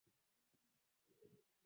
wacongo waulizi mwehesimiwa mando simba